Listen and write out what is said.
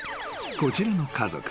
［こちらの家族。